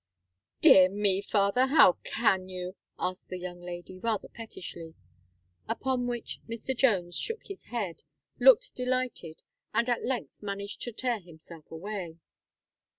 "Dear me, father, how can you?" asked the young lady, rather pettishly. Upon which, Mr. Jones shook his head, looked delighted, and at length managed to tear himself away.